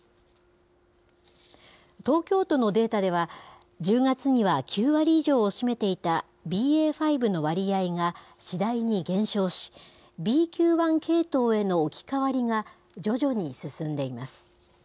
東京都のデータでは、１０月には９割以上を占めていたＢＡ．５の割合が次第に減少し、ＢＱ．１系統への置き換わりが徐々に進んでいます。